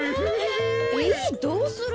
えどうする？